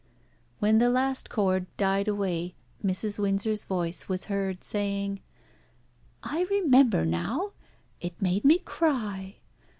When the last chord died away, Mrs. Windsor's voice was heard saying "I remember now, it made me cry.